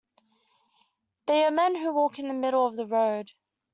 They are men who walk the middle of the road.